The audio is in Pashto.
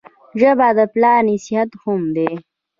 ژبه د پلار نصیحت هم دی